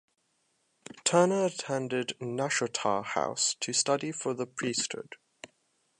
Turner attended Nashotah House to study for the priesthood.